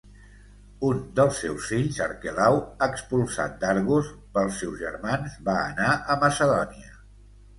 Un dels seus fills, Arquelau, expulsat d'Argos pels seus germans, va anar a Macedònia.